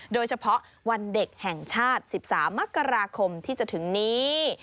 โดยเฉพาะวันเด็กแห่งชาติ๑๓มกราคมที่จะถึงนี้